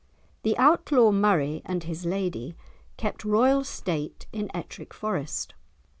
The Outlaw Murray and his lady kept royal state in Ettrick Forest.